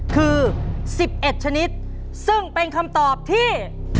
คือสิบเอ็ดชนิดซึ่งเป็นคำตอบที่